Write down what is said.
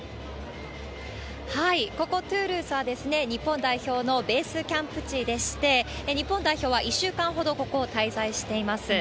ここ、トゥールーズは、日本代表のベースキャンプ地でして、日本代表は１週間ほどここ、滞在しています。